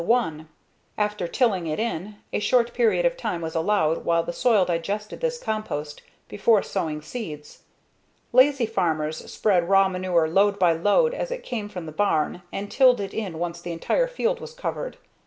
After tilling it in, a short period of time was allowed while the soil digested this compost before sowing seeds. Lazy farmers spread raw manure load by load as it came from the barn and tilled it in once the entire field was covered.